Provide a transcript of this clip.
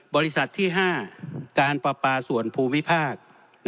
บริษัทที่๕การปราปาส่วนภูมิภาค